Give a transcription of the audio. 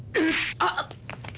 あっ。